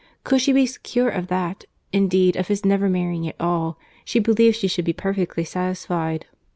Could she be secure of that, indeed, of his never marrying at all, she believed she should be perfectly satisfied.